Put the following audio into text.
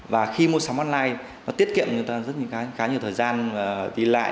và khi mua sắm online nó tiết kiệm người ta rất nhiều thời gian đi lại